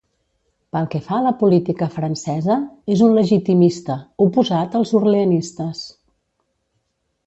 Pel que fa a la política francesa és un legitimista, oposat als orleanistes.